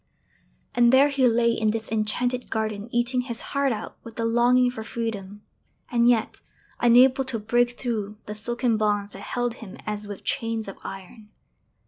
And there he lay in this enchanted garden eating his heart out with the longing for freedom, and yet unable to break through the silken bonds that held him as with chains of iron!